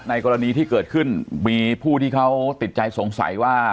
กรณีที่เกิดขึ้นมีผู้ที่เขาติดใจสงสัยว่า